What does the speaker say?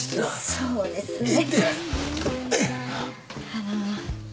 そうですよね。